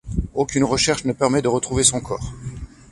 Aucune recherche ne permet de retrouver son corps.